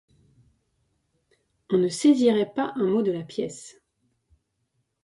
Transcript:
On ne saisirait pas un mot de la pièce.